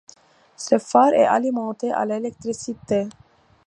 Ce phare est alimenté à l'électricité.